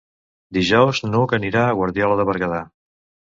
Dijous n'Hug anirà a Guardiola de Berguedà.